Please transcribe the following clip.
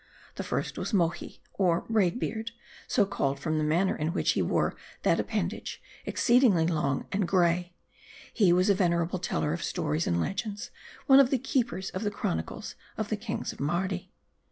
The first was Mohi, or Braid Beard, so called from the manner in which he wore that appendage, exceedingly long 232 M A R D L and gray. He was a venerable teller of stories and legends, one of the Keepers of the Chronicles of the Kings of Mardi.